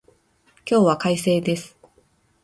今日は快晴です